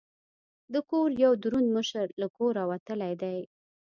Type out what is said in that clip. د کور یو دروند مشر له کوره وتلی دی.